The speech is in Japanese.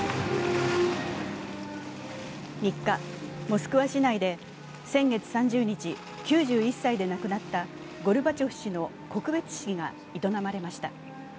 ３日、モスクワ市内で先月３０日、９１歳で亡くなったゴルバチョフ氏の告別式が営まれました。